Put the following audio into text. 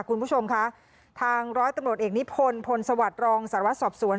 คุณผู้ชมค่ะทางร้อยตำรวจเอกนิพลพลสวรรค์รองสารวัสสอบสวรรค์